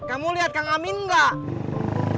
kamu lihat kang amin nggak